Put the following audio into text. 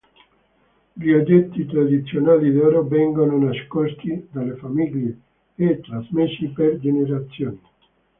Gli oggetti tradizionali d'oro vengono nascosti dalle famiglie e trasmessi per generazioni.